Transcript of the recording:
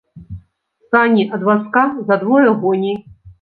Сані ад вазка за двое гоней.